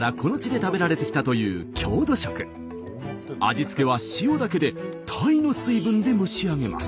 味付けは塩だけで鯛の水分で蒸し上げます。